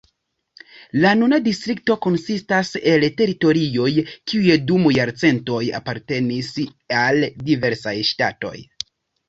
La nuna distrikto konsistas el teritorioj, kiuj dum jarcentoj apartenis al diversaj ŝtatoj.